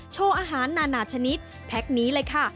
โชว์อาหารนานาชนิดแพ็คนี้เลยค่ะ